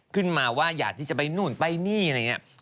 ขึ้นมาว่าอยากที่จะไปนู่นไปนี่อะไรอย่างนี้